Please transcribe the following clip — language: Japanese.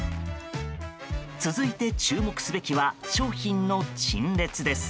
続いて注目すべきは商品の陳列です。